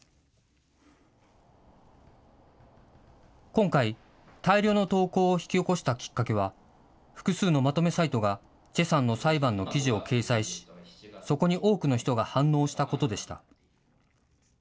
今回、大量の投稿を引き起こしたきっかけは複数のまとめサイトが崔さんの裁判の記事を掲載しそこに多くの人が反応したことでした。